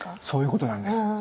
そういうことなんです。